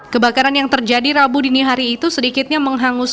kebakaran yang terjadi rabu dini hari itu sedikitnya menghanguskan